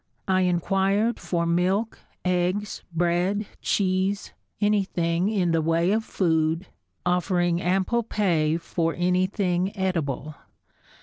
I inquired for milk, eggs, bread, cheese, anything in the way of food, offering ample pay for anything edible.